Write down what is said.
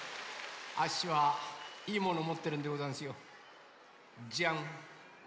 あっしはいいものもってるんでござんすよ。じゃん！